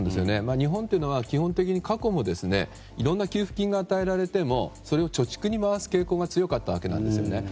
日本は、基本的に過去もいろんな給付金が与えられてもそれを貯蓄に回す傾向が強かったわけなんですね。